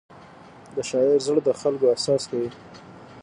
د شاعر زړه د خلکو احساس ښيي.